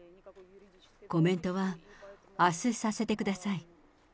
コメントはあす、させてください。